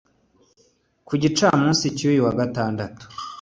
Ku gicamunsi cy’uyu wa Gatandatu